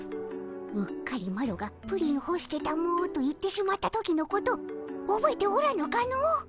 うっかりマロがプリンほしてたもと言ってしまった時のことおぼえておらぬかの。